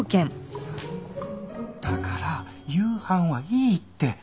だから夕飯はいいって。